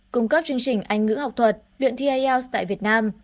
cung cấp chương trình anh ngữ học thuật luyện thi ielts tại việt nam